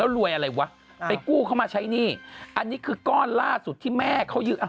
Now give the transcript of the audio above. รวยอะไรวะไปกู้เข้ามาใช้หนี้อันนี้คือก้อนล่าสุดที่แม่เขายืมอ่ะ